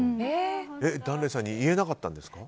檀れいさんに言えなかったんですか？